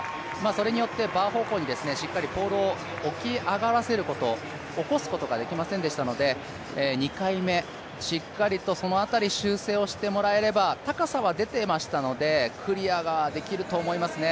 それによってバー方向にしっかりポールを起こすことができませんでしたので、２回目、しっかりとその辺り修正をしてもらえれば、高さは出ていましたので、クリアできると思いますね。